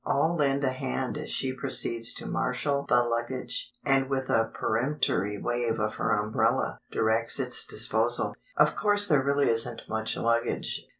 All lend a hand as she proceeds to marshal the luggage, and with a peremptory wave of her umbrella, directs its disposal. Of course there really isn't much luggage.